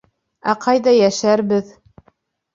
Ә ҡайҙа йәшәрбеҙ?